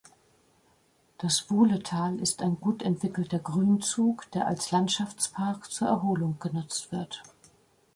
Das Wuhletal ist ein gut entwickelter Grünzug, der als Landschaftspark zur Erholung genutzt wird.